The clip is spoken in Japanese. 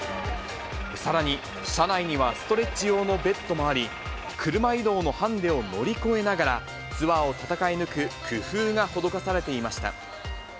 さらに、車内にはストレッチ用のベッドもあり、車移動のハンデを乗り越えながら、ツアーを戦い抜く工夫が施されていました。